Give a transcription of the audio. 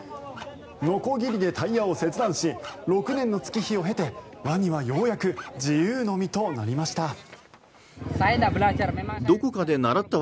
のこぎりでタイヤを切断し６年の月日を経てワニはようやく自由の身となりました。